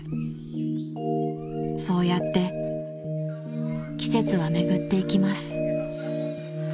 ［そうやって季節は巡っていきます］